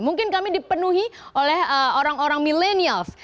mungkin kami dipenuhi oleh orang orang milenials